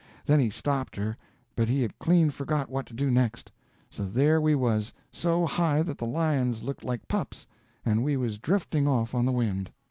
Then he stopped her, but he had clean forgot what to do next; so there we was, so high that the lions looked like pups, and we was drifting off on the wind.